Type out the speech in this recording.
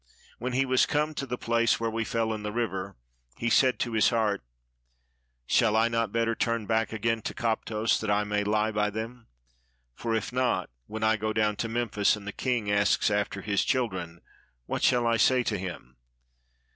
When he was come to the place where we fell into the river, he said to his heart, '' Shall I not better turn back again to Koptos, that I may lie by them? For if not, when I go down to Memphis, and the king asks after his children, what shall I say to him?